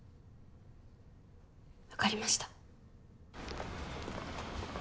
分かりました。